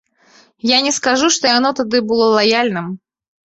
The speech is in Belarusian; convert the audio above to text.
Я не скажу, што яно тады было лаяльным.